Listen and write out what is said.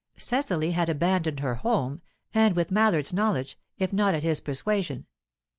Cecily had abandoned her home, and with Mallard's knowledge, if not at his persuasion.